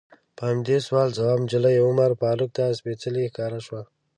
په همدې سوال ځواب نجلۍ عمر فاروق ته سپیڅلې ښکاره شوه.